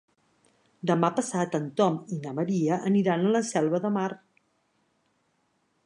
Demà passat en Tom i na Maria aniran a la Selva de Mar.